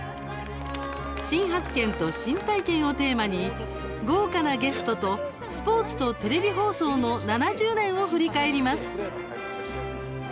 新発見と新体験をテーマに豪華なゲストと「スポーツとテレビ放送の７０年」を振り返ります。